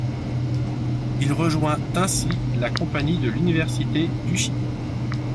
Il rejoint ainsi la compagnie de l'université du Chili.